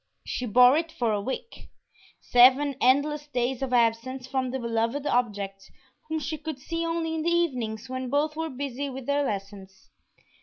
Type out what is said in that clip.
She bore it for a week seven endless days of absence from the beloved object, whom she could see only in the evenings when both were busy with their lessons.